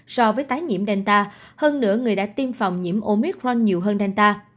so với tái nhiễm delta hơn nửa người đã tiêm phòng nhiễm omicron nhiều hơn delta